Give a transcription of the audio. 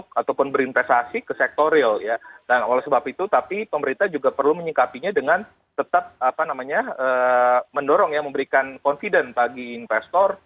dan ini juga menyebabkan pemerintah juga perlu menyingkapinya dengan tetap apa namanya mendorong ya memberikan confident bagi investor